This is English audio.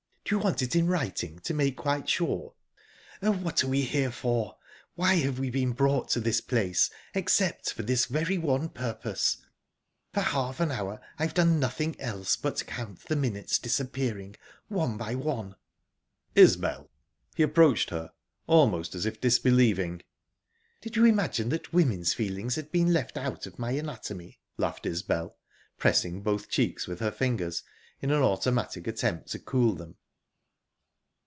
"Do you want it in writing, to make quite sure?...Oh, what are we here for? Why have we been brought to this place, except for this very one purpose? For half an hour I've done nothing else but count the minutes disappearing, one by one..." "Isbel!" He approached her, almost as if disbelieving. "Did you imagine that women's feelings had been left out of my anatomy?" laughed Isbel, pressing both cheeks with her fingers in an automatic attempt to cool them.